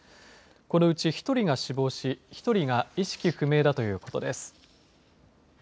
このうち１人が死亡し１人が意識不明だということです。